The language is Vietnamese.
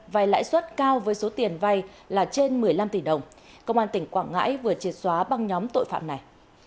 vay lãi suất cao với số tiền vay là trên một mươi năm tỷ đồng công an tỉnh quảng ngãi vừa triệt xóa băng nhóm tội phạm này